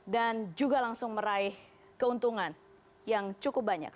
dan juga langsung meraih keuntungan yang cukup banyak